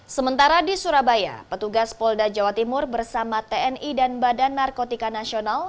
sementara di surabaya petugas polda jawa timur bersama tni dan badan narkotika nasional